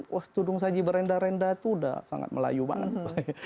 wah tudung saji berenda renda itu udah sangat melayu banget